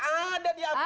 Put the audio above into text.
ada di apbn